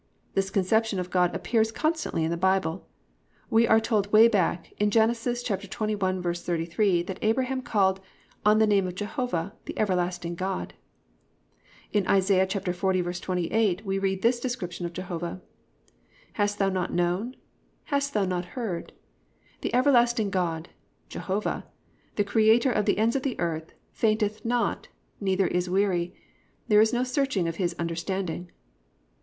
This conception of God appears constantly in the Bible. We are told way back in Gen. 21:33 that Abraham called +"On the name of Jehovah, the everlasting God."+ In Isa. 40:28 we read this description of Jehovah: +"Hast thou not known? Hast thou not heard? The everlasting God, Jehovah, the creator of the ends of the earth, fainteth not, neither is weary; there is no searching of his understanding."